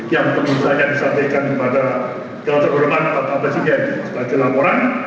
yang kemudian saya disampaikan kepada dr berman bapak basiq yadid sebagai laporan